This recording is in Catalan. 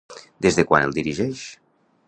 Des de quan el dirigeix?